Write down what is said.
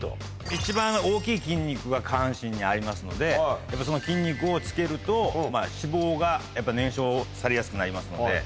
一番大きい筋肉が下半身にありますのでその筋肉をつけると脂肪が燃焼されやすくなりますので。